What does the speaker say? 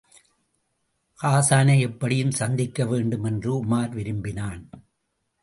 ஹாஸானை எப்படியும் சந்திக்க வேண்டும் என்று உமார் விரும்பினான்.